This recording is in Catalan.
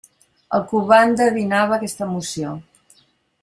El Cubà endevinava aquesta emoció.